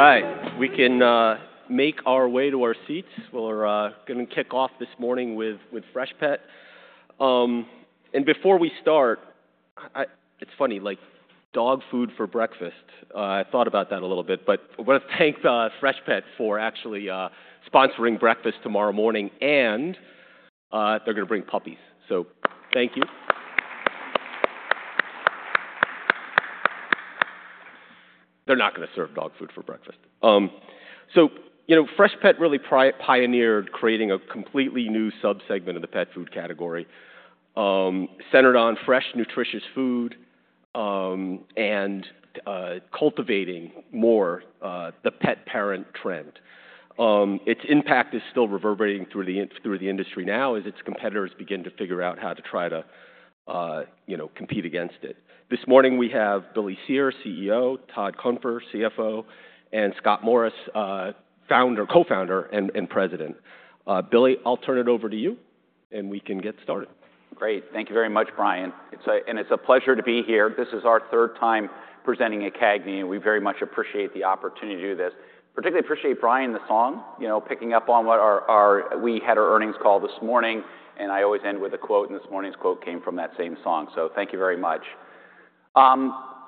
All right, we can make our way to our seats. We're gonna kick off this morning with Freshpet. And before we start, it's funny, like, dog food for breakfast. I thought about that a little bit, but I wanna thank Freshpet for actually sponsoring breakfast tomorrow morning, and they're gonna bring puppies. So thank you. They're not gonna serve dog food for breakfast, so you know, Freshpet really pioneered creating a completely new subsegment of the pet food category, centered on fresh, nutritious food, and cultivating the pet-parent trend. Its impact is still reverberating through the industry now as its competitors begin to figure out how to try to, you know, compete against it. This morning we have Billy Cyr, CEO, Todd Cunfer, CFO, and Scott Morris, Founder, Co-Founder, and President. Billy, I'll turn it over to you, and we can get started. Great. Thank you very much, Brian. It's a—and it's a pleasure to be here. This is our third time presenting at CAGNY, and we very much appreciate the opportunity to do this. Particularly appreciate Brian, the song, you know, picking up on what our—we had our earnings call this morning, and I always end with a quote, and this morning's quote came from that same song. So thank you very much.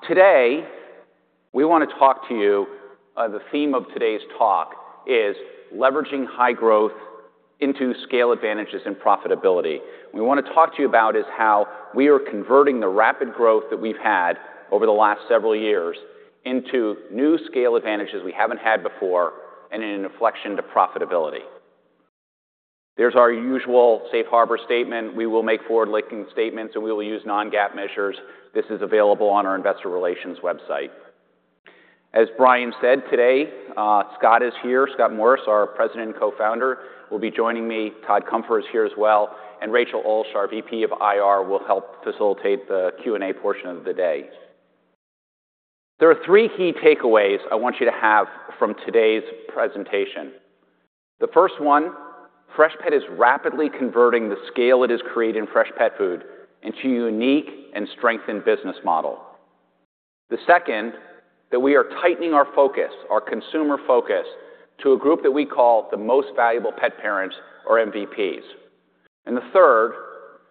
Today we wanna talk to you, the theme of today's talk is leveraging high growth into scale advantages and profitability. We wanna talk to you about is how we are converting the rapid growth that we've had over the last several years into new scale advantages we haven't had before and in an inflection to profitability. There's our usual safe harbor statement: we will make forward-looking statements, and we will use non-GAAP measures. This is available on our investor relations website. As Brian said, today, Scott is here. Scott Morris, our President and Co-founder, will be joining me. Todd Cunfer is here as well, and Rachel Ulsh, our VP of IR, will help facilitate the Q&A portion of the day. There are three key takeaways I want you to have from today's presentation. The first one, Freshpet is rapidly converting the scale it has created in fresh pet food into a unique and strengthened business model. The second, that we are tightening our focus, our consumer focus, to a group that we call the Most Valuable Pet Parents, or MVPs. And the third,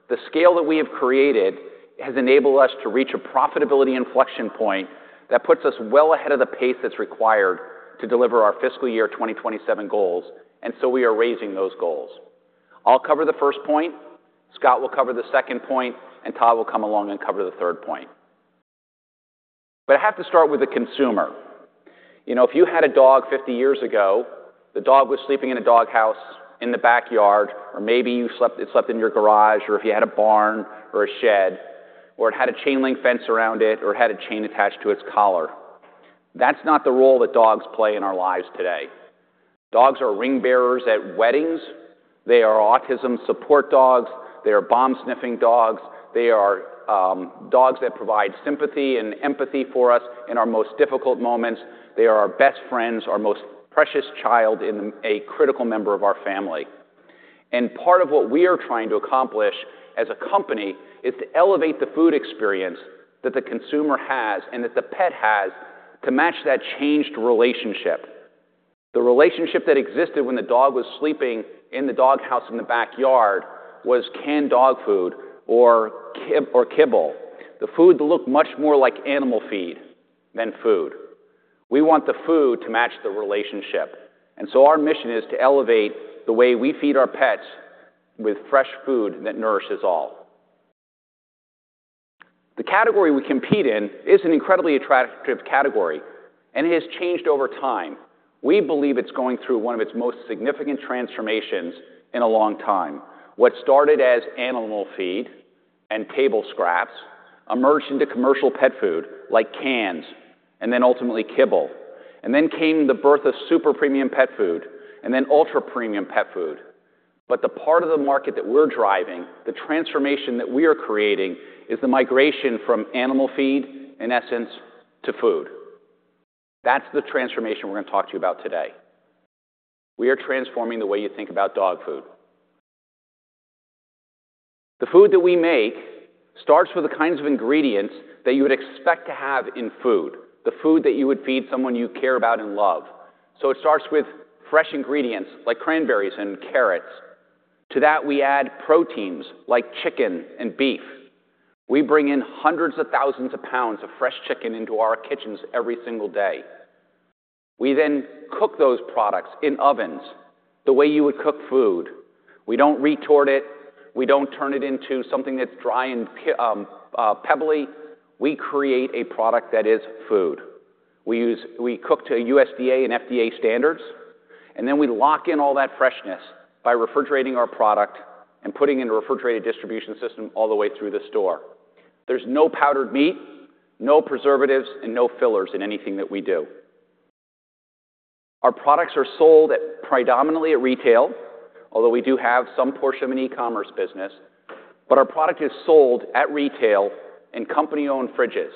the scale that we have created has enabled us to reach a profitability inflection point that puts us well ahead of the pace that's required to deliver our fiscal year 2027 goals, and so we are raising those goals. I'll cover the first point. Scott will cover the second point, and Todd will come along and cover the third point. But I have to start with the consumer. You know, if you had a dog 50 years ago, the dog was sleeping in a doghouse in the backyard, or maybe you slept—it slept in your garage, or if you had a barn or a shed, or it had a chain-link fence around it, or it had a chain attached to its collar. That's not the role that dogs play in our lives today. Dogs are ring bearers at weddings. They are autism support dogs. They are bomb-sniffing dogs. They are dogs that provide sympathy and empathy for us in our most difficult moments. They are our best friends, our most precious child, and a critical member of our family. Part of what we are trying to accomplish as a company is to elevate the food experience that the consumer has and that the pet has to match that changed relationship. The relationship that existed when the dog was sleeping in the doghouse in the backyard was canned dog food or kibble. The food looked much more like animal feed than food. We want the food to match the relationship. So our mission is to elevate the way we feed our pets with fresh food that nourishes all. The category we compete in is an incredibly attractive category, and it has changed over time. We believe it's going through one of its most significant transformations in a long time. What started as animal feed and table scraps emerged into commercial pet food like cans and then ultimately kibble. And then came the birth of super premium pet food and then ultra premium pet food. But the part of the market that we're driving, the transformation that we are creating, is the migration from animal feed, in essence, to food. That's the transformation we're gonna talk to you about today. We are transforming the way you think about dog food. The food that we make starts with the kinds of ingredients that you would expect to have in food, the food that you would feed someone you care about and love. So it starts with fresh ingredients like cranberries and carrots. To that, we add proteins like chicken and beef. We bring in hundreds of thousands of pounds of fresh chicken into our kitchens every single day. We then cook those products in ovens the way you would cook food. We don't retort it. We don't turn it into something that's dry and pebbly. We create a product that is food. We cook to USDA and FDA standards, and then we lock in all that freshness by refrigerating our product and putting it in a refrigerated distribution system all the way through the store. There's no powdered meat, no preservatives, and no fillers in anything that we do. Our products are sold predominantly at retail, although we do have some portion of an e-commerce business, but our product is sold at retail in company-owned fridges.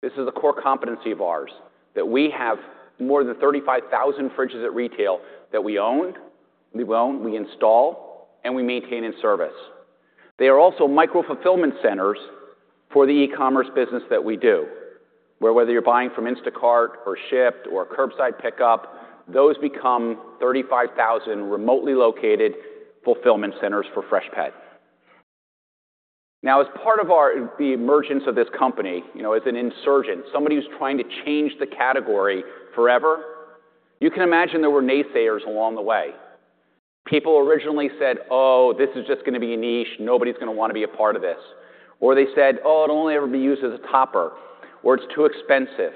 This is a core competency of ours that we have more than 35,000 fridges at retail that we own, we install, and we maintain in service. They are also micro-fulfillment centers for the e-commerce business that we do, where whether you're buying from Instacart or Shipt or curbside pickup, those become 35,000 remotely located fulfillment centers for Freshpet. Now, as part of our, the emergence of this company, you know, as an insurgent, somebody who's trying to change the category forever, you can imagine there were naysayers along the way. People originally said, "Oh, this is just gonna be a niche. Nobody's gonna wanna be a part of this." Or they said, "Oh, it'll only ever be used as a topper," or "It's too expensive,"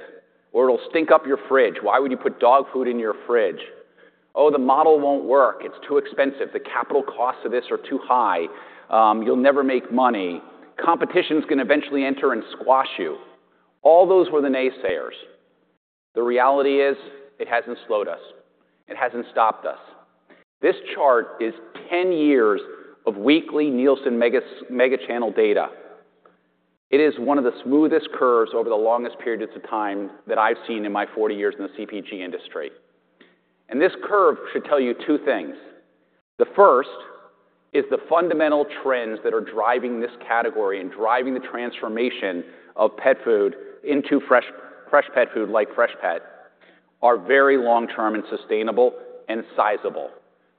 or "It'll stink up your fridge. Why would you put dog food in your fridge?" "Oh, the model won't work. It's too expensive. The capital costs of this are too high. You'll never make money. Competition's gonna eventually enter and squash you." All those were the naysayers. The reality is it hasn't slowed us. It hasn't stopped us. This chart is 10 years of weekly Nielsen Mega Channel data. It is one of the smoothest curves over the longest periods of time that I've seen in my 40 years in the CPG industry. And this curve should tell you two things. The first is the fundamental trends that are driving this category and driving the transformation of pet food into fresh-fresh pet food like Freshpet are very long-term and sustainable and sizable.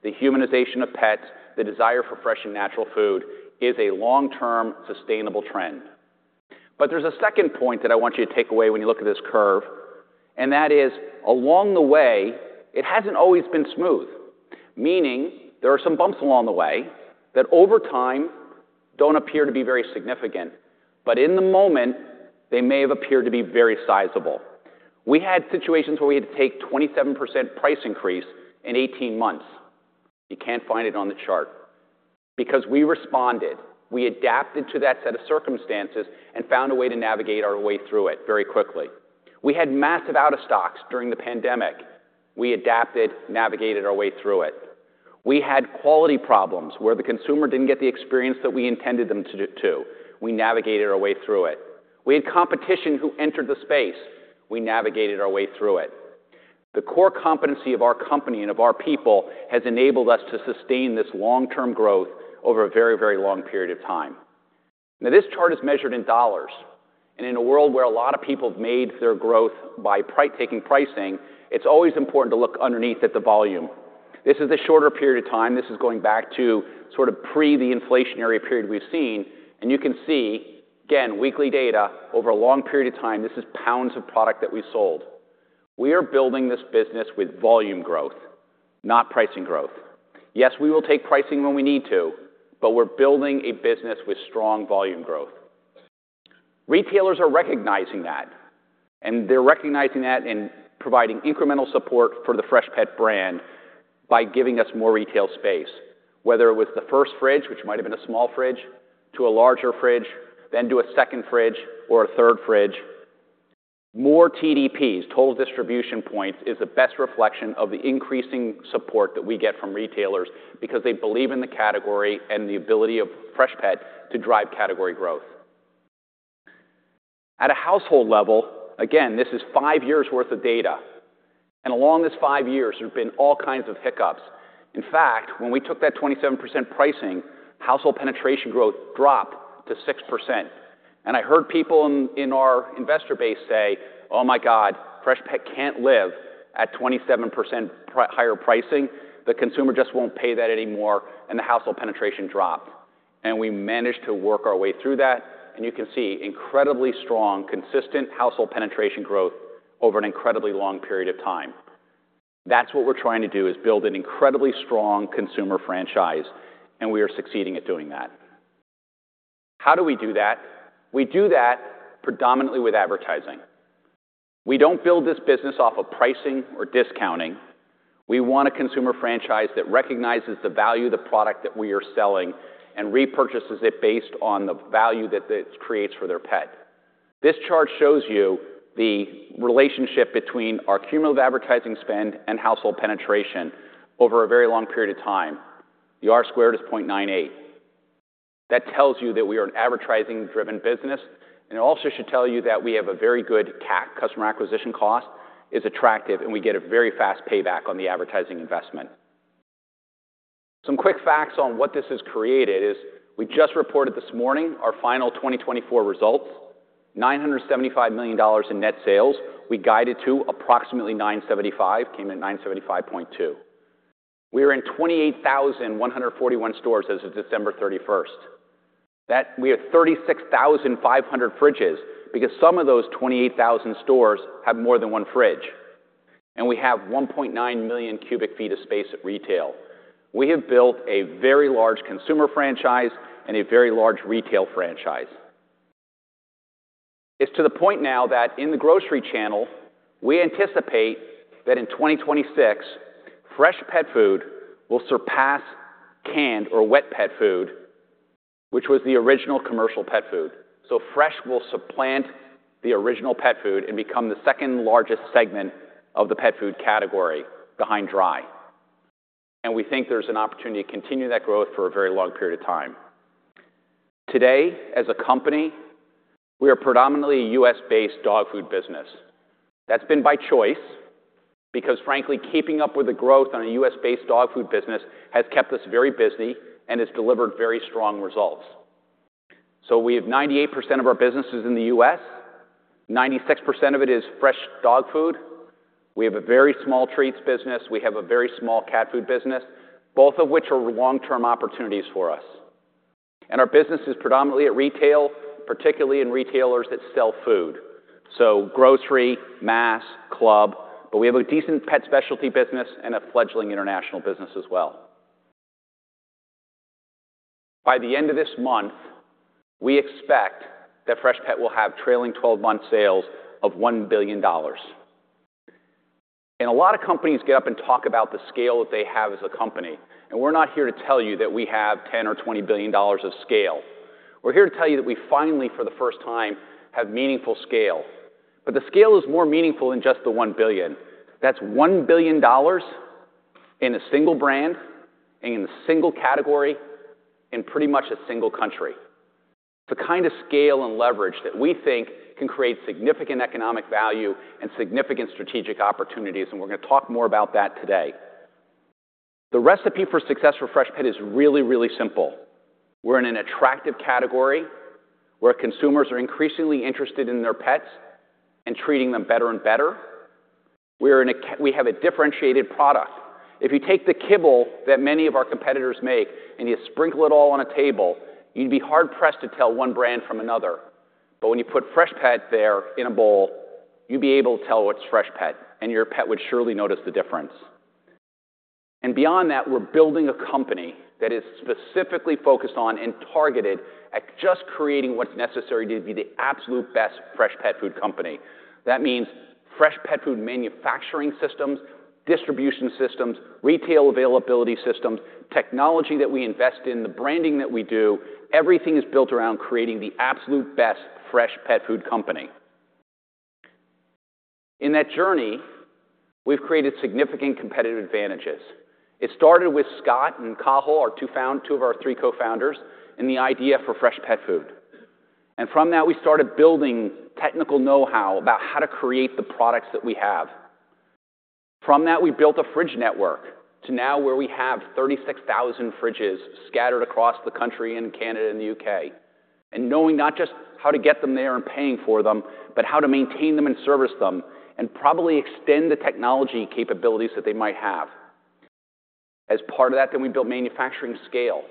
The humanization of pets, the desire for fresh and natural food is a long-term sustainable trend. But there's a second point that I want you to take away when you look at this curve, and that is along the way, it hasn't always been smooth, meaning there are some bumps along the way that over time don't appear to be very significant, but in the moment, they may have appeared to be very sizable. We had situations where we had to take a 27% price increase in 18 months. You can't find it on the chart because we responded. We adapted to that set of circumstances and found a way to navigate our way through it very quickly. We had massive out-of-stocks during the pandemic. We adapted, navigated our way through it. We had quality problems where the consumer didn't get the experience that we intended them to do. We navigated our way through it. We had competition who entered the space. We navigated our way through it. The core competency of our company and of our people has enabled us to sustain this long-term growth over a very, very long period of time. Now, this chart is measured in dollars, and in a world where a lot of people have made their growth by price-taking pricing, it's always important to look underneath at the volume. This is the shorter period of time. This is going back to sort of pre the inflationary period we've seen, and you can see, again, weekly data over a long period of time. This is pounds of product that we sold. We are building this business with volume growth, not pricing growth. Yes, we will take pricing when we need to, but we're building a business with strong volume growth. Retailers are recognizing that, and they're recognizing that and providing incremental support for the Freshpet brand by giving us more retail space, whether it was the first fridge, which might have been a small fridge, to a larger fridge, then to a second fridge or a third fridge. More TDPs, total distribution points, is the best reflection of the increasing support that we get from retailers because they believe in the category and the ability of Freshpet to drive category growth. At a household level, again, this is five years' worth of data, and along this five years, there have been all kinds of hiccups. In fact, when we took that 27% pricing, household penetration growth dropped to 6%. And I heard people in our investor base say, "Oh my God, Freshpet can't live at 27% higher pricing. The consumer just won't pay that anymore," and the household penetration dropped. And we managed to work our way through that. And you can see incredibly strong, consistent household penetration growth over an incredibly long period of time. That's what we're trying to do is build an incredibly strong consumer franchise, and we are succeeding at doing that. How do we do that? We do that predominantly with advertising. We don't build this business off of pricing or discounting. We want a consumer franchise that recognizes the value of the product that we are selling and repurchases it based on the value that it creates for their pet. This chart shows you the relationship between our cumulative advertising spend and household penetration over a very long period of time. The R-squared is 0.98. That tells you that we are an advertising-driven business, and it also should tell you that we have a very good CAC, customer acquisition cost, is attractive, and we get a very fast payback on the advertising investment. Some quick facts on what this has created is we just reported this morning our final 2024 results: $975 million in net sales. We guided to approximately $975 million, came in $975.2 million. We are in 28,141 stores as of December 31st. That we have 36,500 fridges because some of those 28,000 stores have more than one fridge, and we have 1.9 million cubic feet of space at retail. We have built a very large consumer franchise and a very large retail franchise. It's to the point now that in the grocery channel, we anticipate that in 2026, fresh pet food will surpass canned or wet pet food, which was the original commercial pet food. So fresh will supplant the original pet food and become the second largest segment of the pet food category behind dry. And we think there's an opportunity to continue that growth for a very long period of time. Today, as a company, we are predominantly a U.S.-based dog food business. That's been by choice because, frankly, keeping up with the growth on a U.S.-based dog food business has kept us very busy and has delivered very strong results. So we have 98% of our businesses in the U.S. 96% of it is fresh dog food. We have a very small treats business. We have a very small cat food business, both of which are long-term opportunities for us. And our business is predominantly at retail, particularly in retailers that sell food, so grocery, Mass, club. But we have a decent Pet Specialty business and a fledgling international business as well. By the end of this month, we expect that Freshpet will have trailing 12-month sales of $1 billion. And a lot of companies get up and talk about the scale that they have as a company. And we're not here to tell you that we have $10 or $20 billion of scale. We're here to tell you that we finally, for the first time, have meaningful scale. But the scale is more meaningful than just the $1 billion. That's $1 billion in a single brand and in a single category in pretty much a single country. It's the kind of scale and leverage that we think can create significant economic value and significant strategic opportunities. We're gonna talk more about that today. The recipe for success for Freshpet is really, really simple. We're in an attractive category where consumers are increasingly interested in their pets and treating them better and better. We have a differentiated product. If you take the kibble that many of our competitors make and you sprinkle it all on a table, you'd be hard-pressed to tell one brand from another. But when you put Freshpet there in a bowl, you'd be able to tell what's Freshpet, and your pet would surely notice the difference. And beyond that, we're building a company that is specifically focused on and targeted at just creating what's necessary to be the absolute best fresh pet food company. That means fresh pet food manufacturing systems, distribution systems, retail availability systems, technology that we invest in, the branding that we do. Everything is built around creating the absolute best fresh pet food company. In that journey, we've created significant competitive advantages. It started with Scott and Cathal, our two of our three co-founders, and the idea for fresh pet food. From that, we started building technical know-how about how to create the products that we have. From that, we built a fridge network to now where we have 36,000 fridges scattered across the country and Canada and the UK, and knowing not just how to get them there and paying for them, but how to maintain them and service them and probably extend the technology capabilities that they might have. As part of that, then we built manufacturing scale.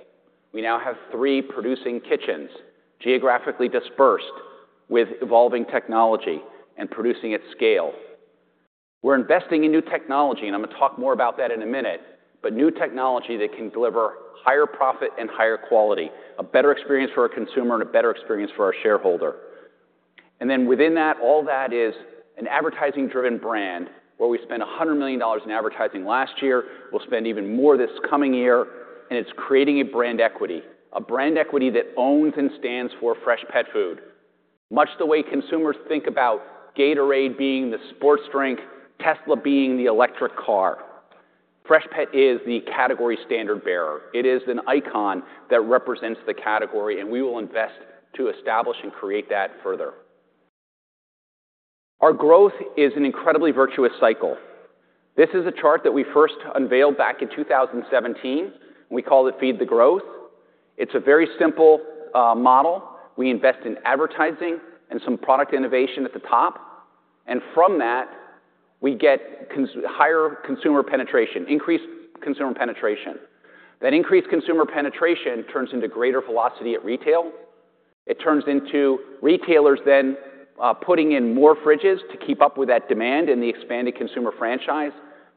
We now have three producing kitchens, geographically dispersed with evolving technology and producing at scale. We're investing in new technology, and I'm gonna talk more about that in a minute, but new technology that can deliver higher profit and higher quality, a better experience for our consumer and a better experience for our shareholder, and then within that, all that is an advertising-driven brand where we spent $100 million in advertising last year. We'll spend even more this coming year, and it's creating a brand equity, a brand equity that owns and stands for fresh pet food, much the way consumers think about Gatorade being the sports drink, Tesla being the electric car. Freshpet is the category standard bearer. It is an icon that represents the category, and we will invest to establish and create that further. Our growth is an incredibly virtuous cycle. This is a chart that we first unveiled back in 2017. We call it Feed the Growth. It's a very simple model. We invest in advertising and some product innovation at the top. And from that, we get higher consumer penetration, increased consumer penetration. That increased consumer penetration turns into greater velocity at retail. It turns into retailers, then putting in more fridges to keep up with that demand and the expanded consumer franchise.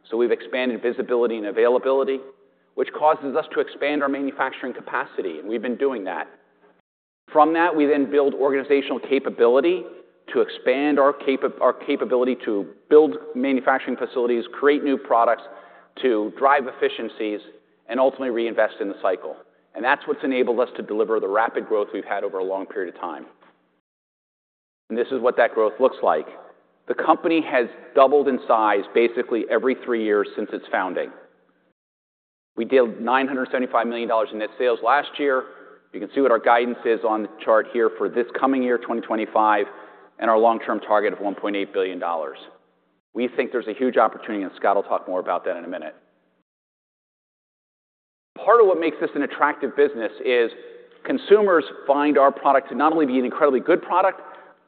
So we've expanded visibility and availability, which causes us to expand our manufacturing capacity, and we've been doing that. From that, we then build organizational capability to expand our capability to build manufacturing facilities, create new products to drive efficiencies, and ultimately reinvest in the cycle. And that's what's enabled us to deliver the rapid growth we've had over a long period of time. And this is what that growth looks like. The company has doubled in size basically every three years since its founding. We did $975 million in net sales last year. You can see what our guidance is on the chart here for this coming year, 2025, and our long-term target of $1.8 billion. We think there's a huge opportunity, and Scott will talk more about that in a minute. Part of what makes this an attractive business is consumers find our product to not only be an incredibly good product,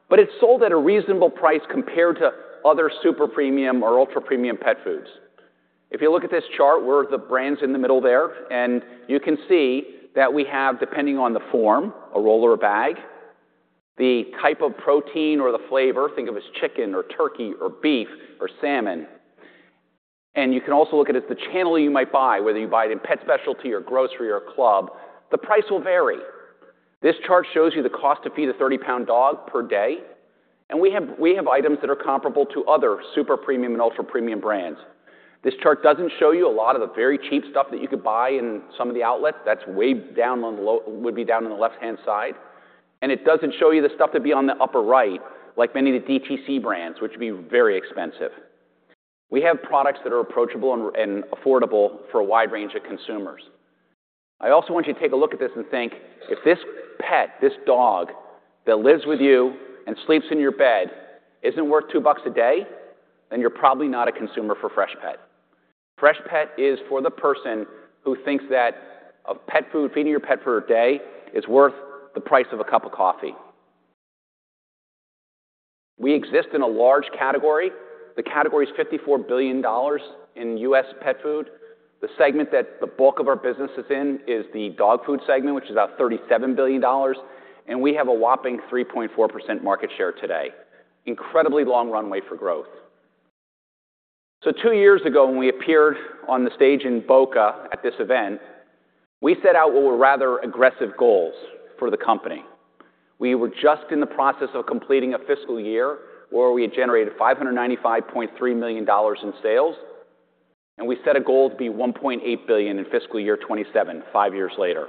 but it's sold at a reasonable price compared to other super premium or ultra premium pet foods. If you look at this chart, we're the brands in the middle there, and you can see that we have, depending on the form, a roll or a bag, the type of protein or the flavor. Think of it as chicken or turkey or beef or salmon. You can also look at it as the channel you might buy, whether you buy it in pet specialty or grocery or club. The price will vary. This chart shows you the cost to feed a 30-pound dog per day. We have items that are comparable to other super premium and ultra premium brands. This chart doesn't show you a lot of the very cheap stuff that you could buy in some of the outlets. That's way down on the low, would be down on the left-hand side. It doesn't show you the stuff that'd be on the upper right, like many of the DTC brands, which would be very expensive. We have products that are approachable and affordable for a wide range of consumers. I also want you to take a look at this and think, if this pet, this dog that lives with you and sleeps in your bed isn't worth $2 a day, then you're probably not a consumer for Freshpet. Freshpet is for the person who thinks that a pet food, feeding your pet for a day, is worth the price of a cup of coffee. We exist in a large category. The category is $54 billion in U.S. pet food. The segment that the bulk of our business is in is the dog food segment, which is about $37 billion, and we have a whopping 3.4% market share today. Incredibly long runway for growth, so two years ago, when we appeared on the stage in Boca at this event, we set out what were rather aggressive goals for the company. We were just in the process of completing a fiscal year where we had generated $595.3 million in sales, and we set a goal to be $1.8 billion in fiscal year 2027, five years later.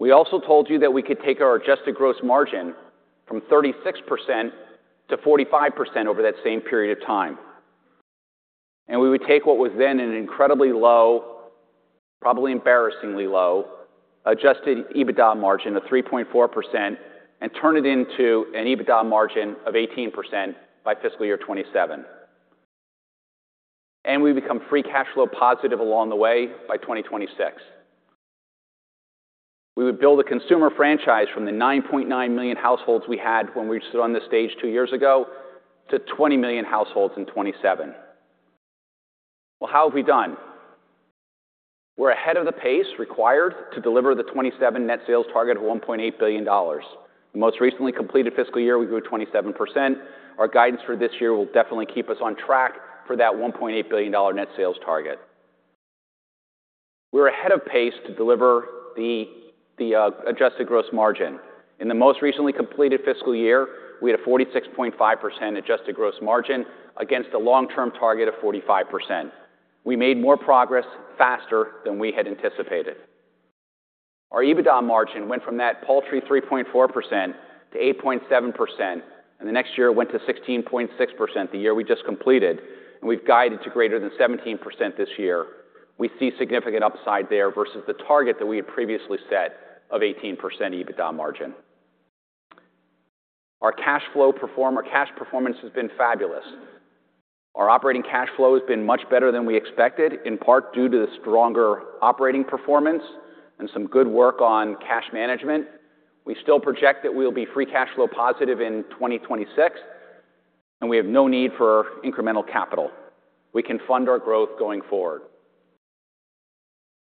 We also told you that we could take our Adjusted Gross Margin from 36% to 45% over that same period of time. And we would take what was then an incredibly low, probably embarrassingly low, Adjusted EBITDA margin of 3.4% and turn it into an EBITDA margin of 18% by fiscal year 2027. And we become free cash flow positive along the way by 2026. We would build a consumer franchise from the 9.9 million households we had when we stood on the stage two years ago to 20 million households in 2027. Well, how have we done? We're ahead of the pace required to deliver the 2027 net sales target of $1.8 billion. The most recently completed fiscal year, we grew 27%. Our guidance for this year will definitely keep us on track for that $1.8 billion net sales target. We were ahead of pace to deliver the Adjusted Gross Margin. In the most recently completed fiscal year, we had a 46.5% Adjusted Gross Margin against a long-term target of 45%. We made more progress faster than we had anticipated. Our EBITDA margin went from that paltry 3.4% to 8.7%, and the next year it went to 16.6%, the year we just completed, and we've guided to greater than 17% this year. We see significant upside there versus the target that we had previously set of 18% EBITDA margin. Our cash flow performance, our cash performance has been fabulous. Our operating cash flow has been much better than we expected, in part due to the stronger operating performance and some good work on cash management. We still project that we'll be free cash flow positive in 2026, and we have no need for incremental capital. We can fund our growth going forward.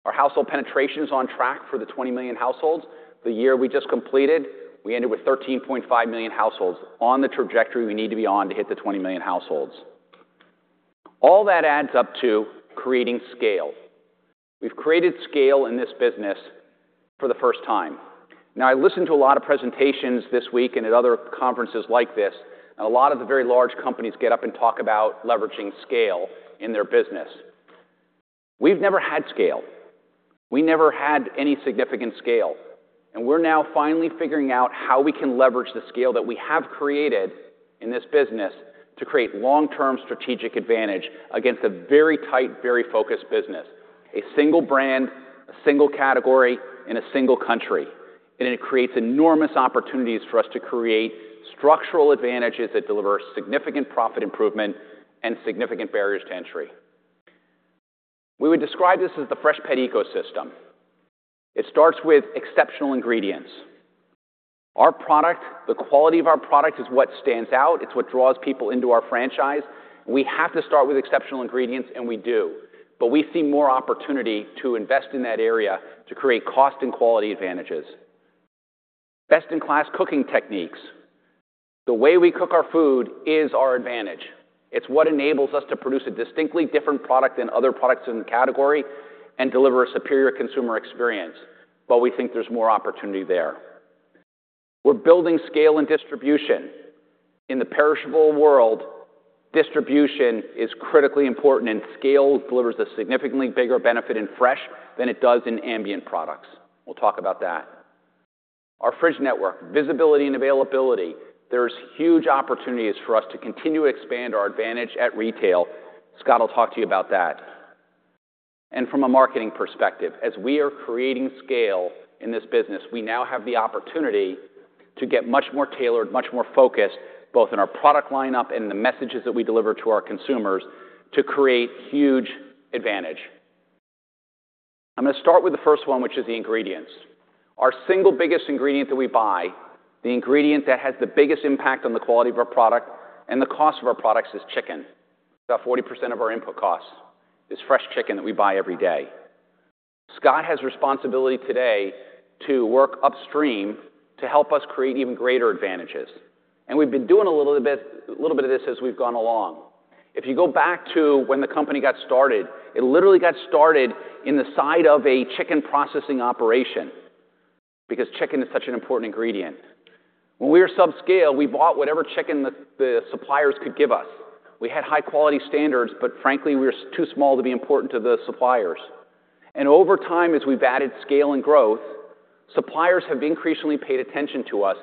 Our household penetration is on track for the 20 million households. The year we just completed, we ended with 13.5 million households on the trajectory we need to be on to hit the 20 million households. All that adds up to creating scale. We've created scale in this business for the first time. Now, I listened to a lot of presentations this week and at other conferences like this, and a lot of the very large companies get up and talk about leveraging scale in their business. We've never had scale. We never had any significant scale. And we're now finally figuring out how we can leverage the scale that we have created in this business to create long-term strategic advantage against a very tight, very focused business: a single brand, a single category, and a single country. And it creates enormous opportunities for us to create structural advantages that deliver significant profit improvement and significant barriers to entry. We would describe this as the Freshpet ecosystem. It starts with exceptional ingredients. Our product, the quality of our product is what stands out. It's what draws people into our franchise. We have to start with exceptional ingredients, and we do. But we see more opportunity to invest in that area to create cost and quality advantages. Best-in-class cooking techniques. The way we cook our food is our advantage. It's what enables us to produce a distinctly different product than other products in the category and deliver a superior consumer experience. But we think there's more opportunity there. We're building scale and distribution. In the perishable world, distribution is critically important, and scale delivers a significantly bigger benefit in fresh than it does in ambient products. We'll talk about that. Our fridge network, visibility and availability. There's huge opportunities for us to continue to expand our advantage at retail. Scott will talk to you about that, and from a marketing perspective, as we are creating scale in this business, we now have the opportunity to get much more tailored, much more focused, both in our product lineup and in the messages that we deliver to our consumers to create huge advantage. I'm gonna start with the first one, which is the ingredients. Our single biggest ingredient that we buy, the ingredient that has the biggest impact on the quality of our product and the cost of our products, is chicken. About 40% of our input cost is fresh chicken that we buy every day. Scott has responsibility today to work upstream to help us create even greater advantages, and we've been doing a little bit, a little bit of this as we've gone along. If you go back to when the company got started, it literally got started in the side of a chicken processing operation because chicken is such an important ingredient. When we were subscale, we bought whatever chicken the suppliers could give us. We had high-quality standards, but frankly, we were too small to be important to the suppliers, and over time, as we've added scale and growth, suppliers have increasingly paid attention to us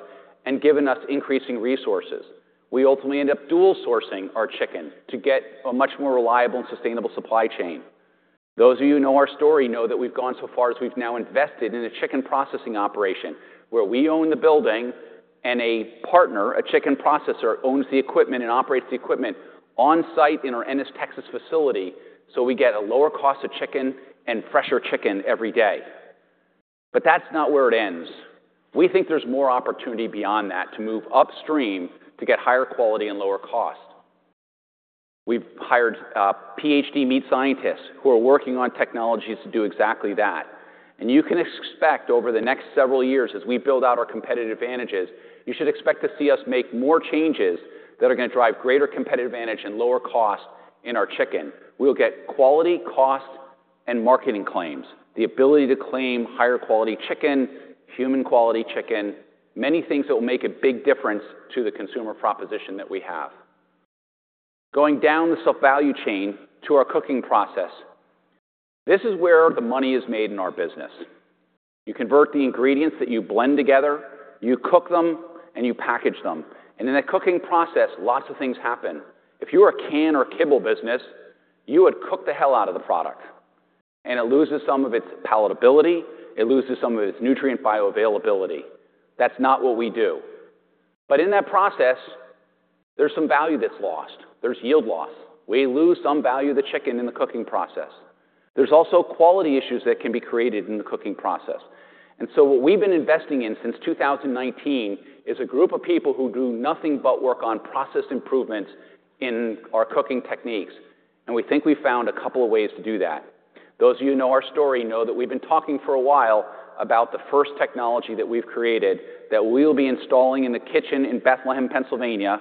and given us increasing resources. We ultimately end up dual-sourcing our chicken to get a much more reliable and sustainable supply chain. Those of you who know our story know that we've gone so far as we've now invested in a chicken processing operation where we own the building and a partner, a chicken processor, owns the equipment and operates the equipment on-site in our Ennis, Texas facility so we get a lower cost of chicken and fresher chicken every day. But that's not where it ends. We think there's more opportunity beyond that to move upstream to get higher quality and lower cost. We've hired PhD meat scientists who are working on technologies to do exactly that. You can expect over the next several years, as we build out our competitive advantages, you should expect to see us make more changes that are gonna drive greater competitive advantage and lower cost in our chicken. We'll get quality, cost, and marketing claims, the ability to claim higher quality chicken, human-quality chicken, many things that will make a big difference to the consumer proposition that we have. Going down the supply chain to our cooking process, this is where the money is made in our business. You convert the ingredients that you blend together, you cook them, and you package them. And in the cooking process, lots of things happen. If you were a can or kibble business, you would cook the hell out of the product, and it loses some of its palatability. It loses some of its nutrient bioavailability. That's not what we do. In that process, there's some value that's lost. There's yield loss. We lose some value of the chicken in the cooking process. There's also quality issues that can be created in the cooking process. So what we've been investing in since 2019 is a group of people who do nothing but work on process improvements in our cooking techniques. We think we've found a couple of ways to do that. Those of you who know our story know that we've been talking for a while about the first technology that we've created that we'll be installing in the kitchen in Bethlehem, Pennsylvania,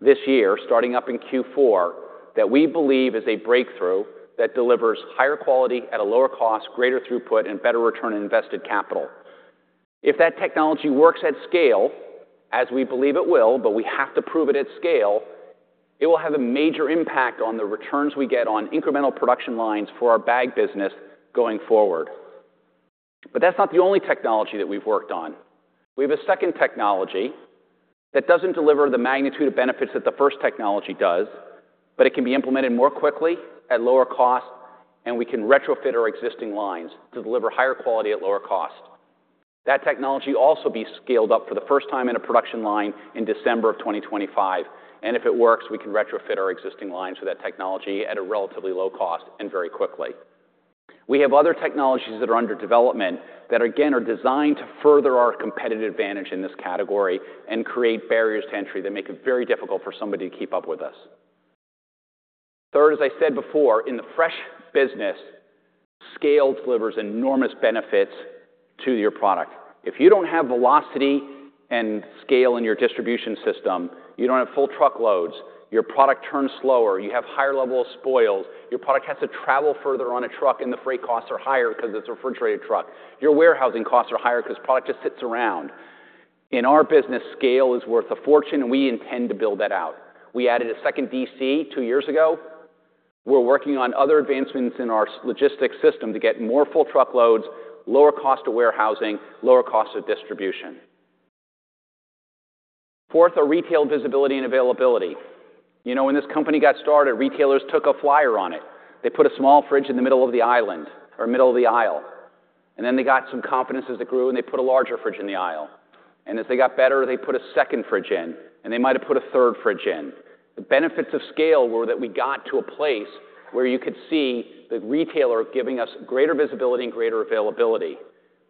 this year, starting up in Q4, that we believe is a breakthrough that delivers higher quality at a lower cost, greater throughput, and better return on invested capital. If that technology works at scale, as we believe it will, but we have to prove it at scale, it will have a major impact on the returns we get on incremental production lines for our bag business going forward. But that's not the only technology that we've worked on. We have a second technology that doesn't deliver the magnitude of benefits that the first technology does, but it can be implemented more quickly at lower cost, and we can retrofit our existing lines to deliver higher quality at lower cost. That technology will also be scaled up for the first time in a production line in December of 2025. And if it works, we can retrofit our existing lines with that technology at a relatively low cost and very quickly. We have other technologies that are under development that, again, are designed to further our competitive advantage in this category and create barriers to entry that make it very difficult for somebody to keep up with us. Third, as I said before, in the fresh business, scale delivers enormous benefits to your product. If you don't have velocity and scale in your distribution system, you don't have full truckloads, your product turns slower, you have higher level of spoils, your product has to travel further on a truck and the freight costs are higher because it's a refrigerated truck, your warehousing costs are higher because the product just sits around. In our business, scale is worth a fortune, and we intend to build that out. We added a second DC two years ago. We're working on other advancements in our logistics system to get more full truckloads, lower cost of warehousing, lower cost of distribution. Fourth, our retail visibility and availability. You know, when this company got started, retailers took a flyer on it. They put a small fridge in the middle of the island or middle of the aisle, and then they got some confidence as it grew, and they put a larger fridge in the aisle, and as they got better, they put a second fridge in, and they might have put a third fridge in. The benefits of scale were that we got to a place where you could see the retailer giving us greater visibility and greater availability.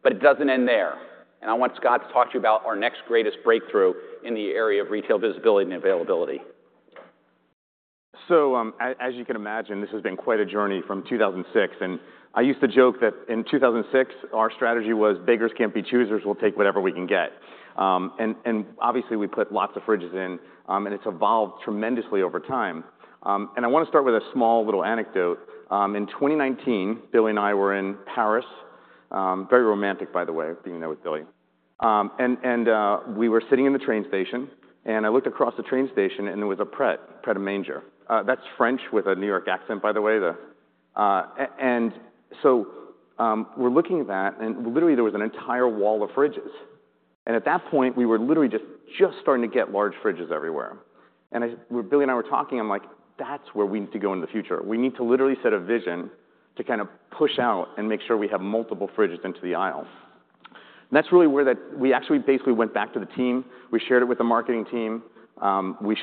But it doesn't end there, and I want Scott to talk to you about our next greatest breakthrough in the area of retail visibility and availability. So, as you can imagine, this has been quite a journey from 2006. I used to joke that in 2006, our strategy was, "Bakers can't be choosers, we'll take whatever we can get," and obviously, we put lots of fridges in, and it's evolved tremendously over time. I wanna start with a small little anecdote. In 2019, Billy and I were in Paris, very romantic, by the way, being there with Billy. We were sitting in the train station, and I looked across the train station and there was a Pret A Manger. That's French with a New York accent, by the way, and so we're looking at that, and literally there was an entire wall of fridges. At that point, we were literally just starting to get large fridges everywhere. And I, Billy and I were talking. I'm like, "That's where we need to go in the future. We need to literally set a vision to kind of push out and make sure we have multiple fridges into the aisle." And that's really where we actually basically went back to the team. We shared it with the marketing team. We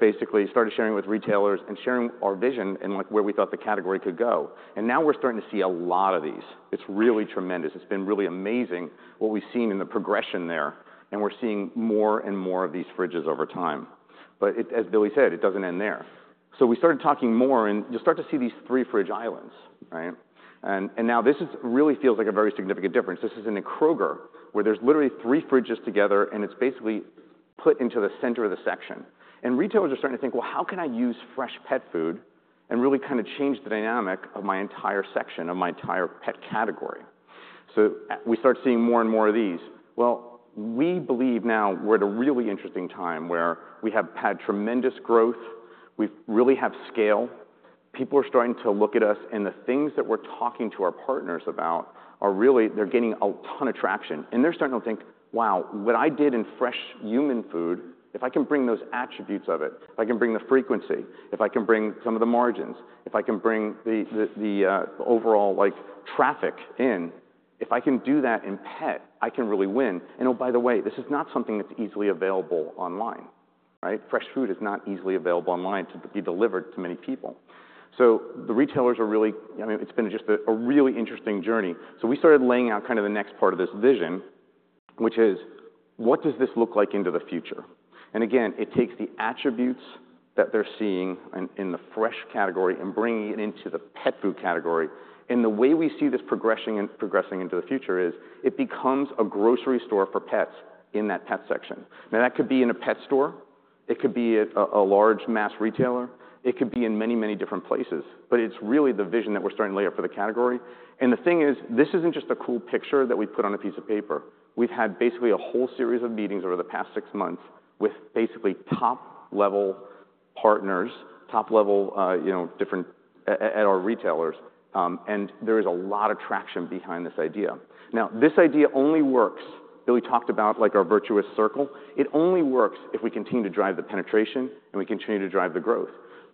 basically started sharing with retailers and sharing our vision and, like, where we thought the category could go. And now we're starting to see a lot of these. It's really tremendous. It's been really amazing what we've seen in the progression there. And we're seeing more and more of these fridges over time. But it, as Billy said, doesn't end there. So we started talking more and just started to see these three fridge islands, right? And now this really feels like a very significant difference. This is in a Kroger, where there's literally three fridges together, and it's basically put into the center of the section. And retailers are starting to think, "Well, how can I use fresh pet food and really kind of change the dynamic of my entire section, of my entire pet category?" So we start seeing more and more of these. Well, we believe now we're at a really interesting time where we have had tremendous growth. We really have scale. People are starting to look at us, and the things that we're talking to our partners about are really, they're getting a ton of traction. And they're starting to think, "Wow, what I did in fresh human food, if I can bring those attributes of it, if I can bring the frequency, if I can bring some of the margins, if I can bring the overall, like, traffic in, if I can do that in pet, I can really win." And oh, by the way, this is not something that's easily available online, right? Fresh food is not easily available online to be delivered to many people. So the retailers are really, I mean, it's been just a really interesting journey. So we started laying out kind of the next part of this vision, which is, what does this look like into the future? And again, it takes the attributes that they're seeing in the fresh category and bringing it into the pet food category. And the way we see this progressing and progressing into the future is it becomes a grocery store for pets in that pet section. Now, that could be in a pet store. It could be a large Mass retailer. It could be in many, many different places. But it's really the vision that we're starting to lay out for the category. And the thing is, this isn't just a cool picture that we put on a piece of paper. We've had basically a whole series of meetings over the past six months with basically top-level partners, top-level, you know, different at our retailers. And there is a lot of traction behind this idea. Now, this idea only works. Billy talked about, like our virtuous circle. It only works if we continue to drive the penetration and we continue to drive the growth.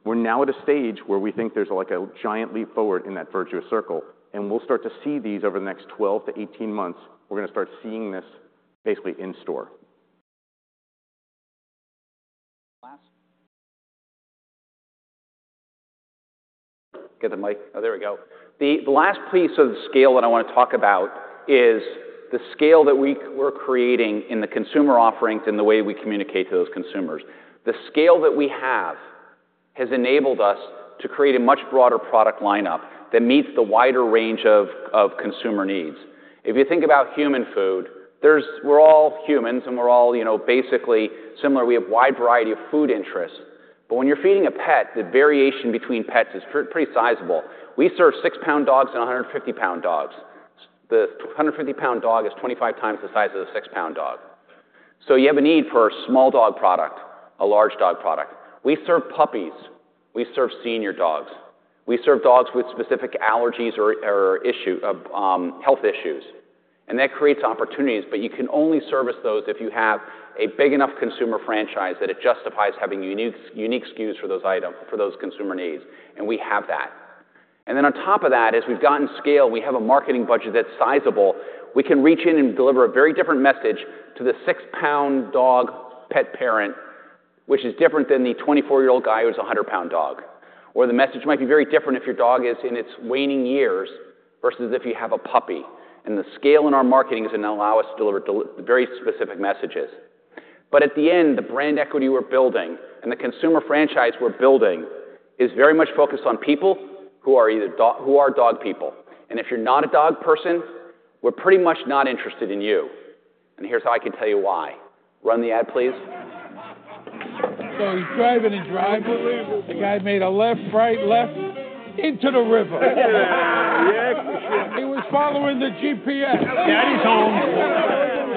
We're now at a stage where we think there's like a giant leap forward in that virtuous circle, and we'll start to see these over the next 12 to 18 months. We're gonna start seeing this basically in store. The last piece of the scale that I wanna talk about is the scale that we were creating in the consumer offerings and the way we communicate to those consumers. The scale that we have has enabled us to create a much broader product lineup that meets the wider range of consumer needs. If you think about human food, there's, we're all humans and we're all, you know, basically similar. We have a wide variety of food interests. But when you're feeding a pet, the variation between pets is pretty sizable. We serve six-pound dogs and 150-pound dogs. The 150-pound dog is 25 times the size of the 6-pound dog. So you have a need for a small dog product, a large dog product. We serve puppies. We serve senior dogs. We serve dogs with specific allergies or issue, health issues. And that creates opportunities, but you can only service those if you have a big enough consumer franchise that it justifies having unique SKUs for those items, for those consumer needs. And we have that. And then on top of that, as we've gotten scale, we have a marketing budget that's sizable. We can reach in and deliver a very different message to the 6-pound dog pet parent, which is different than the 24-year-old guy who's a 100-pound dog. Or the message might be very different if your dog is in its waning years versus if you have a puppy. The scale in our marketing is gonna allow us to deliver very specific messages. But at the end, the brand equity we're building and the consumer franchise we're building is very much focused on people who are either dog, who are dog people. And if you're not a dog person, we're pretty much not interested in you. And here's how I can tell you why. Run the ad, please. So he's driving and driving. The guy made a left, right, left into the river. Yeah. Yeah. He was following the GPS. Daddy's home.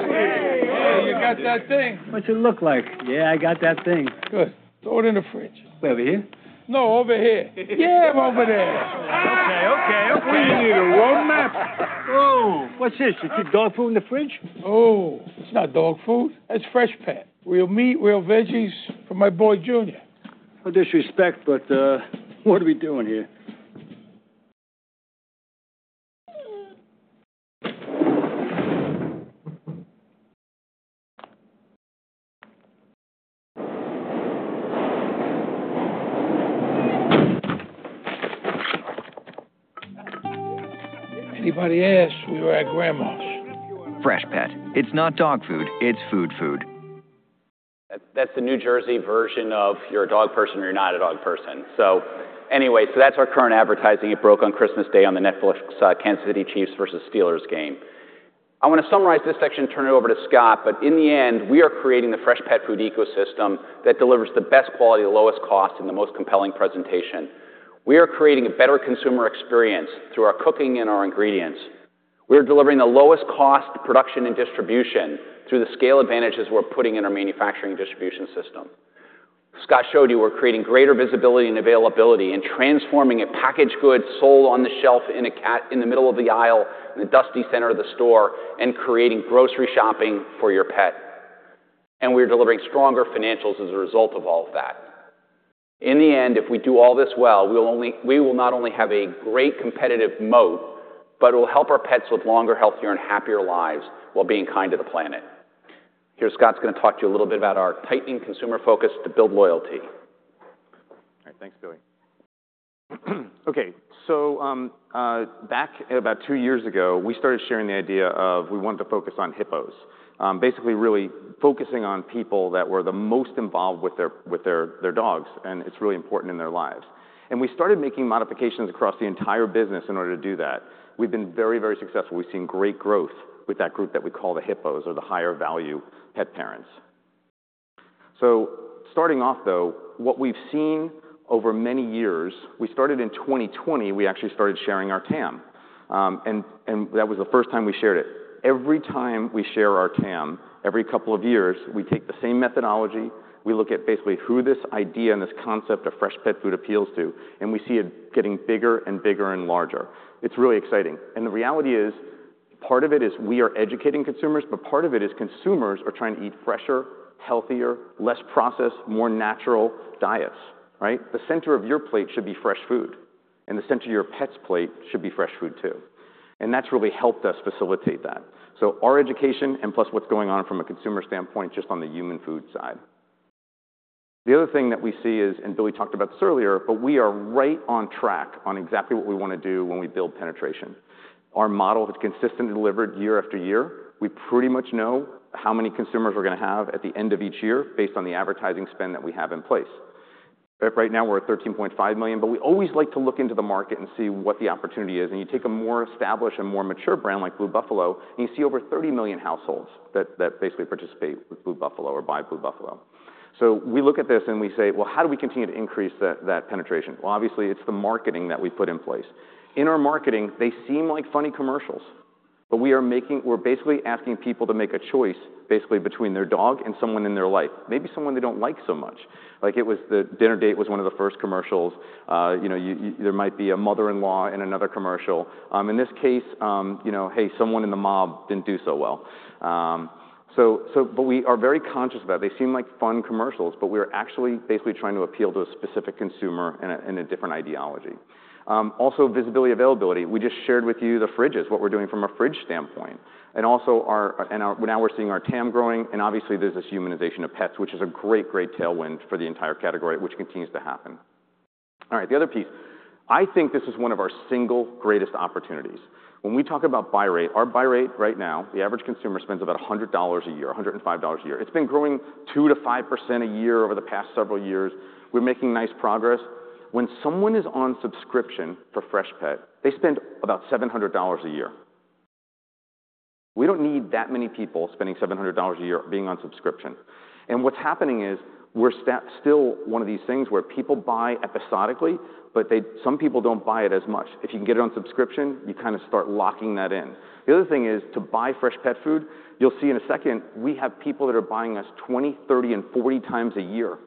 Hey, you got that thing? What's it look like? Yeah, I got that thing. Good. Throw it in the fridge. Over here? No, over here. Yeah, over there. Okay, okay, okay. We need a roadmap. Oh. What's this? You keep dog food in the fridge? Oh. It's not dog food. That's Freshpet. Real meat, real veggies for my boy, Junior. I digress, but, what are we doing here? Anybody asked, we were at Grandma's. Freshpet. It's not dog food. It's food food. That's the New Jersey version of "You're a dog person or you're not a dog person." So anyway, so that's our current advertising. It broke on Christmas Day on the Netflix, Kansas City Chiefs versus Steelers game. I wanna summarize this section and turn it over to Scott, but in the end, we are creating the Freshpet food ecosystem that delivers the best quality, the lowest cost, and the most compelling presentation. We are creating a better consumer experience through our cooking and our ingredients. We are delivering the lowest cost production and distribution through the scale advantages we're putting in our manufacturing and distribution system. Scott showed you we're creating greater visibility and availability and transforming a packaged good sold on the shelf in a can in the middle of the aisle in the dusty center of the store and creating grocery shopping for your pet. And we're delivering stronger financials as a result of all of that. In the end, if we do all this well, we'll only, we will not only have a great competitive moat, but it'll help our pets with longer, healthier, and happier lives while being kind to the planet. Here, Scott's gonna talk to you a little bit about our tightening consumer focus to build loyalty. All right, thanks, Billy. Okay, so back about two years ago, we started sharing the idea of we wanted to focus on Hippos, basically really focusing on people that were the most involved with their dogs, and it's really important in their lives. We started making modifications across the entire business in order to do that. We've been very, very successful. We've seen great growth with that group that we call the Hippos or the higher value pet parents. Starting off, though, what we've seen over many years, we started in 2020. We actually started sharing our TAM, and that was the first time we shared it. Every time we share our TAM, every couple of years, we take the same methodology. We look at basically who this idea and this concept of fresh pet food appeals to, and we see it getting bigger and bigger and larger. It's really exciting, and the reality is part of it is we are educating consumers, but part of it is consumers are trying to eat fresher, healthier, less processed, more natural diets, right? The center of your plate should be fresh food, and the center of your pet's plate should be fresh food too, and that's really helped us facilitate that, so our education and plus what's going on from a consumer standpoint just on the human food side. The other thing that we see is, and Billy talked about this earlier, but we are right on track on exactly what we wanna do when we build penetration. Our model has consistently delivered year after year. We pretty much know how many consumers we're gonna have at the end of each year based on the advertising spend that we have in place. Right now we're at 13.5 million, but we always like to look into the market and see what the opportunity is, and you take a more established and more mature brand like Blue Buffalo, and you see over 30 million households that, that basically participate with Blue Buffalo or buy Blue Buffalo, so we look at this and we say, "Well, how do we continue to increase that, that penetration?" Well, obviously it's the marketing that we put in place. In our marketing, they seem like funny commercials, but we are making, we're basically asking people to make a choice basically between their dog and someone in their life, maybe someone they don't like so much. Like it was the dinner date was one of the first commercials. You know, there might be a mother-in-law in another commercial. In this case, you know, "Hey, someone in the mob didn't do so well." So, but we are very conscious of that. They seem like fun commercials, but we are actually basically trying to appeal to a specific consumer and a different ideology. Also, visibility, availability. We just shared with you the fridges, what we're doing from a fridge standpoint. And also, now we're seeing our TAM growing, and obviously there's this humanization of pets, which is a great tailwind for the entire category, which continues to happen. All right, the other piece. I think this is one of our single greatest opportunities. When we talk about buy rate, our buy rate right now, the average consumer spends about $100 a year, $105 a year. It's been growing 2%-5% a year over the past several years. We're making nice progress. When someone is on subscription for Freshpet, they spend about $700 a year. We don't need that many people spending $700 a year being on subscription, and what's happening is we're still one of these things where people buy episodically, but they, some people don't buy it as much. If you can get it on subscription, you kind of start locking that in. The other thing is to buy Freshpet food, you'll see in a second, we have people that are buying us 20, 30, and 40 times a year.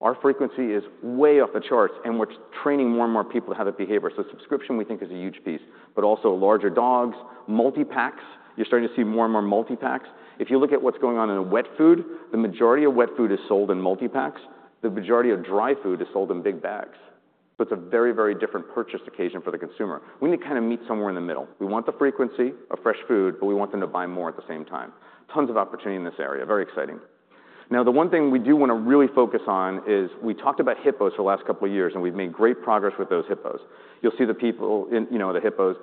Our frequency is way off the charts, and we're training more and more people to have that behavior, so subscription we think is a huge piece, but also larger dogs, multi-packs. You're starting to see more and more multi-packs. If you look at what's going on in wet food, the majority of wet food is sold in multi-packs. The majority of dry food is sold in big bags. So it's a very, very different purchase occasion for the consumer. We need to kind of meet somewhere in the middle. We want the frequency of fresh food, but we want them to buy more at the same time. Tons of opportunity in this area. Very exciting. Now, the one thing we do wanna really focus on is we talked about Hippos for the last couple of years, and we've made great progress with those Hippos. You'll see the people in, you know, the Hippos,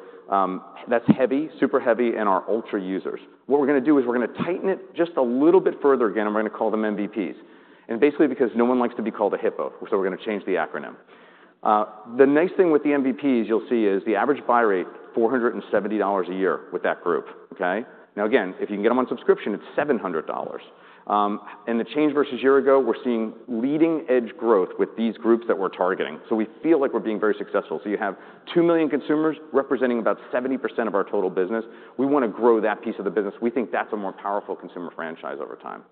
that's heavy, super heavy, and our ultra users. What we're gonna do is we're gonna tighten it just a little bit further again. I'm gonna call them MVPs. And basically because no one likes to be called a Hippo, so we're gonna change the acronym. The nice thing with the MVPs you'll see is the average buy rate, $470 a year with that group, okay? Now again, if you can get 'em on subscription, it's $700, and the change versus a year ago, we're seeing leading edge growth with these groups that we're targeting. So we feel like we're being very successful. So you have 2 million consumers representing about 70% of our total business. We wanna grow that piece of the business. We think that's a more powerful consumer franchise over time.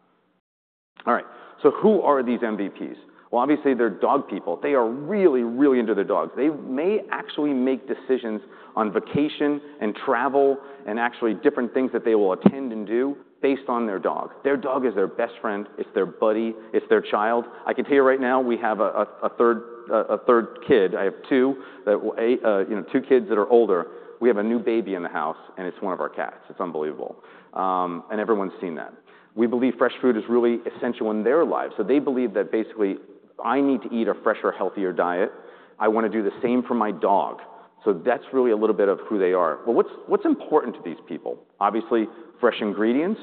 All right, so who are these MVPs? Well, obviously they're dog people. They are really, really into their dogs. They may actually make decisions on vacation and travel and actually different things that they will attend and do based on their dog. Their dog is their best friend. It's their buddy. It's their child. I can tell you right now we have a third kid. I have two kids, you know, that are older. We have a new baby in the house, and it's one of our cats. It's unbelievable, and everyone's seen that. We believe fresh food is really essential in their lives. So they believe that basically I need to eat a fresher, healthier diet. I wanna do the same for my dog. So that's really a little bit of who they are. Well, what's important to these people? Obviously fresh ingredients.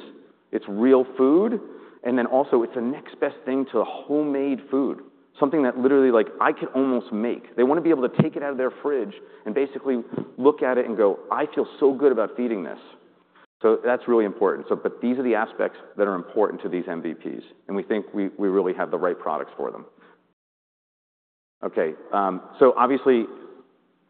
It's real food, and then also it's the next best thing to homemade food. Something that literally like I could almost make. They wanna be able to take it out of their fridge and basically look at it and go, "I feel so good about feeding this." So that's really important. But these are the aspects that are important to these MVPs, and we think we really have the right products for them. Okay, so obviously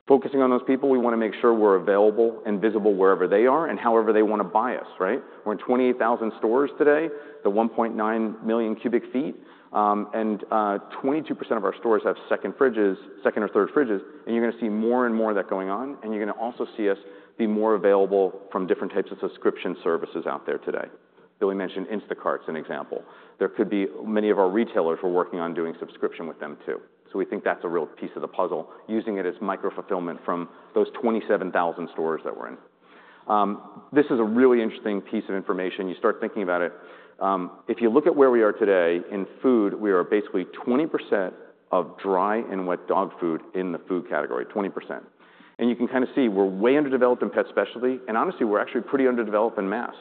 focusing on those people, we wanna make sure we're available and visible wherever they are and however they wanna buy us, right? We're in 28,000 stores today, the 1.9 million cubic feet, and 22% of our stores have second fridges, second or third fridges, and you're gonna see more and more of that going on, and you're gonna also see us be more available from different types of subscription services out there today. Billy mentioned Instacart as an example. There could be many of our retailers we're working on doing subscription with them too. We think that's a real piece of the puzzle, using it as micro-fulfillment from those 27,000 stores that we're in. This is a really interesting piece of information. You start thinking about it. If you look at where we are today in food, we are basically 20% of dry and wet dog food in the food category, 20%. And you can kind of see we're way underdeveloped in pet specialty, and honestly we're actually pretty underdeveloped in Mass.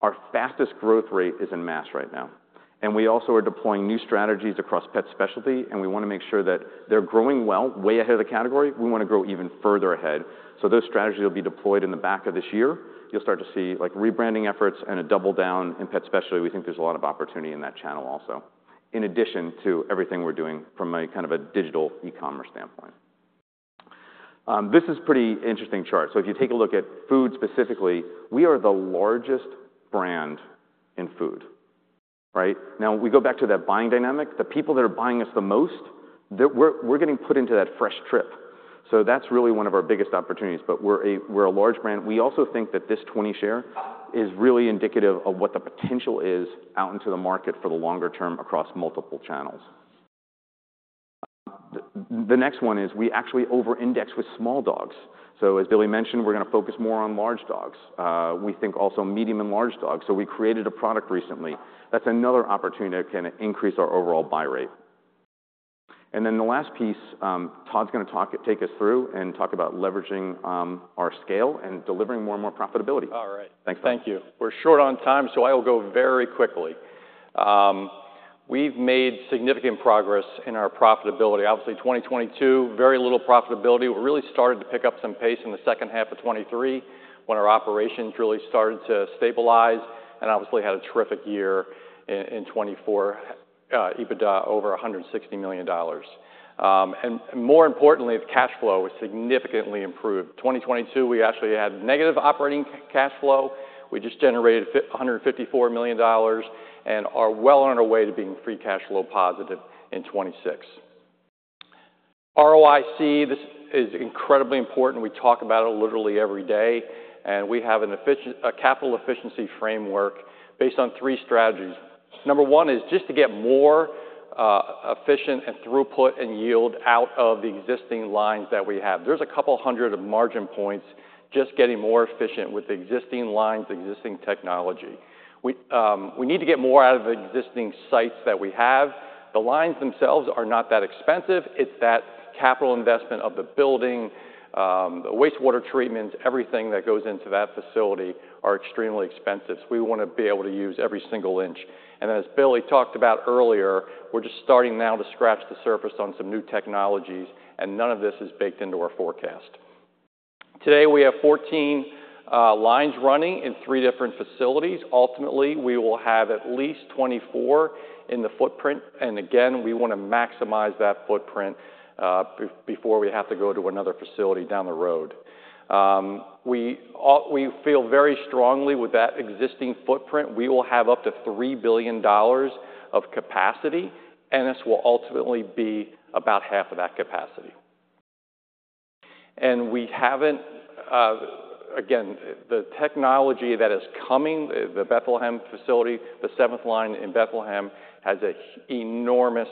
Our fastest growth rate is in Mass right now. And we also are deploying new strategies across pet specialty, and we wanna make sure that they're growing well way ahead of the category. We wanna grow even further ahead. So those strategies will be deployed in the back of this year. You'll start to see like rebranding efforts and a double down in pet specialty. We think there's a lot of opportunity in that channel also, in addition to everything we're doing from a kind of a digital e-commerce standpoint. This is a pretty interesting chart. So if you take a look at food specifically, we are the largest brand in food, right? Now we go back to that buying dynamic. The people that are buying us the most, we're getting put into that Freshpet. So that's really one of our biggest opportunities, but we're a large brand. We also think that this 20% share is really indicative of what the potential is out into the market for the longer term across multiple channels. The next one is we actually over-index with small dogs. So as Billy mentioned, we're gonna focus more on large dogs. We think also medium and large dogs. So we created a product recently. That's another opportunity to kind of increase our overall buy rate. And then the last piece, Todd's gonna talk, take us through and talk about leveraging our scale and delivering more and more profitability. All right, thank you. We're short on time, so I'll go very quickly. We've made significant progress in our profitability. Obviously, 2022, very little profitability. We really started to pick up some pace in the second half of 2023 when our operation truly started to stabilize and obviously had a terrific year in 2024, EBITDA over $160 million. And more importantly, the cash flow was significantly improved. 2022, we actually had negative operating cash flow. We just generated $154 million and are well on our way to being free cash flow positive in 2026. ROIC, this is incredibly important. We talk about it literally every day, and we have an efficient capital efficiency framework based on three strategies. Number one is just to get more efficient and throughput and yield out of the existing lines that we have. There's a couple hundred margin points just getting more efficient with the existing lines, the existing technology. We need to get more out of the existing sites that we have. The lines themselves are not that expensive. It's that capital investment of the building, the wastewater treatments, everything that goes into that facility are extremely expensive. So we wanna be able to use every single inch. And then as Billy talked about earlier, we're just starting now to scratch the surface on some new technologies, and none of this is baked into our forecast. Today we have 14 lines running in three different facilities. Ultimately, we will have at least 24 in the footprint, and again, we wanna maximize that footprint before we have to go to another facility down the road. We all, we feel very strongly with that existing footprint. We will have up to $3 billion of capacity, and this will ultimately be about half of that capacity. And we haven't, again, the technology that is coming. The Bethlehem facility, the seventh line in Bethlehem has an enormous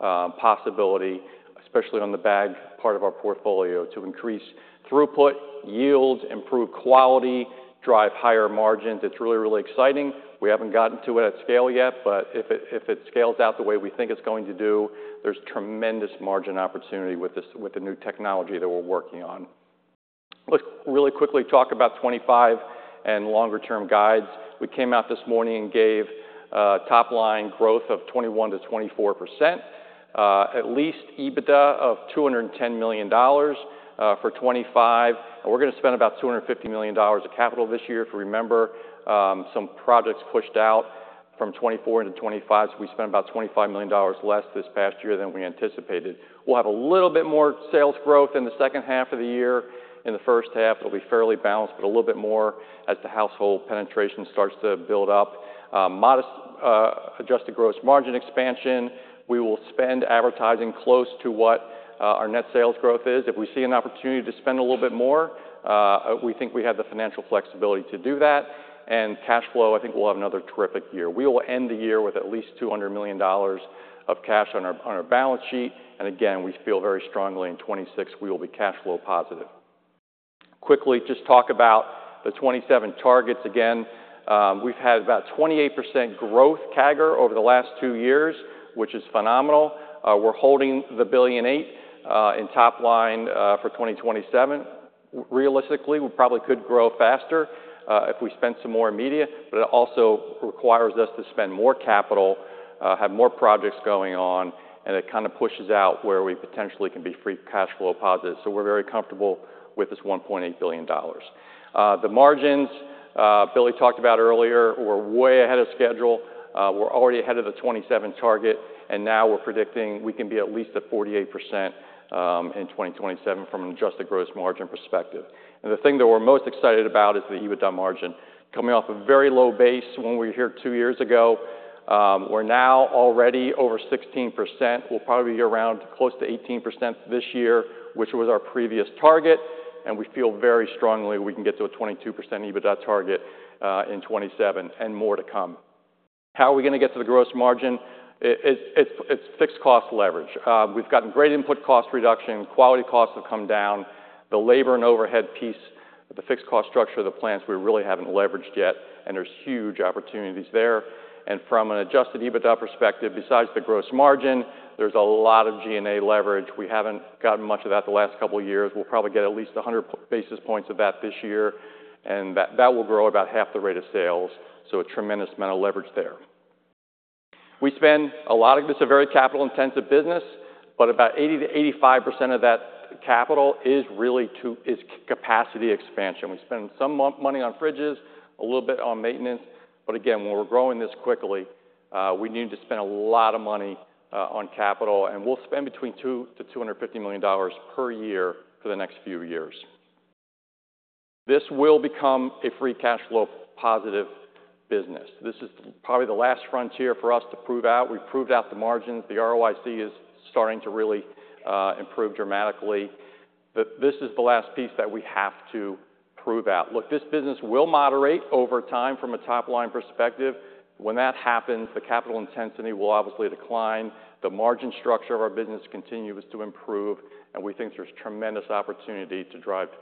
possibility, especially on the bag part of our portfolio, to increase throughput, yield, improve quality, drive higher margins. It's really, really exciting. We haven't gotten to it at scale yet, but if it, if it scales out the way we think it's going to do, there's tremendous margin opportunity with this, with the new technology that we're working on. Let's really quickly talk about 2025 and longer-term guides. We came out this morning and gave top line growth of 21%-24%, at least EBITDA of $210 million for 2025. And we're gonna spend about $250 million of capital this year. If you remember, some projects pushed out from 2024 into 2025, so we spent about $25 million less this past year than we anticipated. We'll have a little bit more sales growth in the second half of the year. In the first half, it'll be fairly balanced, but a little bit more as the household penetration starts to build up. Modest Adjusted Gross Margin expansion. We will spend advertising close to what our net sales growth is. If we see an opportunity to spend a little bit more, we think we have the financial flexibility to do that. And cash flow, I think we'll have another terrific year. We will end the year with at least $200 million of cash on our balance sheet. And again, we feel very strongly in 2026 we will be cash flow positive. Quickly, just talk about the 2027 targets. Again, we've had about 28% growth CAGR over the last two years, which is phenomenal. We're holding the $1.8 billion in top line for 2027. Realistically, we probably could grow faster if we spent some more media, but it also requires us to spend more capital, have more projects going on, and it kind of pushes out where we potentially can be free cash flow positive. So we're very comfortable with this $1.8 billion. The margins Billy talked about earlier, we're way ahead of schedule. We're already ahead of the 2027 target, and now we're predicting we can be at least at 48% in 2027 from an Adjusted Gross Margin perspective. And the thing that we're most excited about is the EBITDA margin. Coming off a very low base when we were here two years ago, we're now already over 16%. We'll probably be around close to 18% this year, which was our previous target. And we feel very strongly we can get to a 22% EBITDA target in 2027 and more to come. How are we gonna get to the gross margin? It's fixed cost leverage. We've gotten great input cost reduction. Quality costs have come down. The labor and overhead piece, the fixed cost structure of the plants we really haven't leveraged yet, and there's huge opportunities there. And from an Adjusted EBITDA perspective, besides the gross margin, there's a lot of G&A leverage. We haven't gotten much of that the last couple of years. We'll probably get at least 100 basis points of that this year, and that will grow about half the rate of sales. A tremendous amount of leverage there. We spend a lot of, it's a very capital-intensive business, but about 80%-85% of that capital is really to, is capacity expansion. We spend some money on fridges, a little bit on maintenance, but again, when we're growing this quickly, we need to spend a lot of money, on capital, and we'll spend between $2 to $250 million per year for the next few years. This will become a free cash flow positive business. This is probably the last frontier for us to prove out. We proved out the margins. The ROIC is starting to really, improve dramatically. This is the last piece that we have to prove out. Look, this business will moderate over time from a top line perspective. When that happens, the capital intensity will obviously decline. The margin structure of our business continues to improve, and we think there's tremendous opportunity to drive free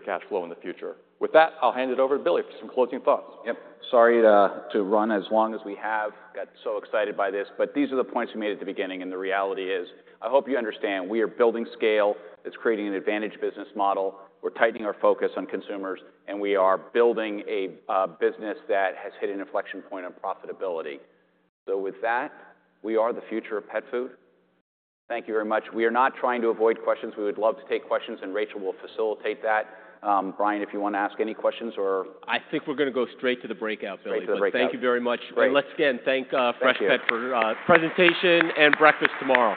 cash flow in the future. With that, I'll hand it over to Billy for some closing thoughts. Yep. Sorry to run as long as we have. Got so excited by this, but these are the points we made at the beginning, and the reality is I hope you understand we are building scale. It's creating an advantage business model. We're tightening our focus on consumers, and we are building a business that has hit an inflection point on profitability. So with that, we are the future of pet food. Thank you very much. We are not trying to avoid questions. We would love to take questions, and Rachel will facilitate that. Brian, if you wanna ask any questions or. I think we're gonna go straight to the breakout, Billy. Straight to the breakout. Thank you very much and let's again thank Freshpet for presentation and breakfast tomorrow.